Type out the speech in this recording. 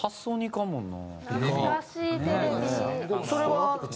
それは。